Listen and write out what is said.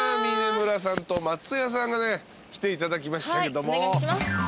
峯村さんと松也さんがね来ていただきましたけども。